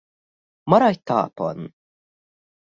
Maradj talpon!